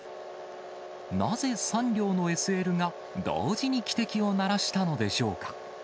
なぜ３両のＳＬが、同時に汽笛を鳴らしたのでしょうか。